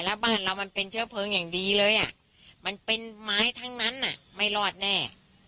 แล้วบ้านเรามันเป็นเชื้อเพลิงอย่างดีเลยมันเป็นไม้ทั้งนั้นไม่รอดแน่